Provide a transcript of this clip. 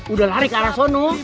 udah lari ke arah sana